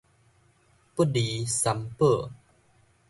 不離三寶